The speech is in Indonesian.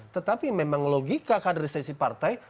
tetapi memang logika kaderisasi partai